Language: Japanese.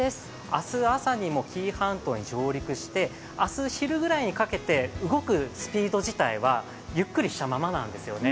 明日朝にも紀伊半島に上陸して明日昼ぐらいにかけて動くスピード自体はゆっくりしたままなんですよね。